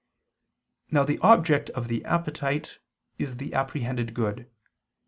Now the object of the appetite is the apprehended good.